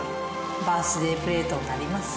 バースデープレートになります。